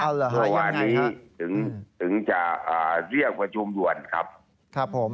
เมื่อวานนี้ถึงจะเรียกประชุมด่วนครับครับผม